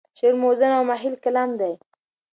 شعر موزون او مخیل کلام دی.